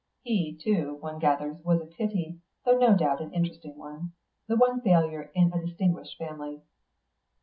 "He too, one gathers, was a pity, though no doubt an interesting one. The one failure in a distinguished family."